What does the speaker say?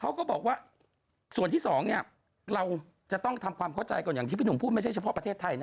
เขาก็บอกว่าส่วนที่๒เราจะต้องทำความเข้าใจก่อนต้องพูดไม่ใช่เฉพาะประเทศไทย